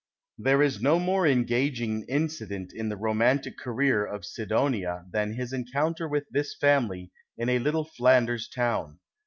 There is no more engaging incident in the romantic career of Sidonia than his encounter with this family in a little Fiandirs town.